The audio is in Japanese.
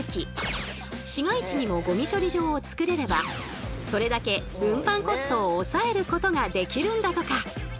市街地にもゴミ処理場をつくれればそれだけ運搬コストを抑えることができるんだとか！